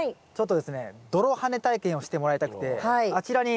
ちょっとですね泥跳ね体験をしてもらいたくて。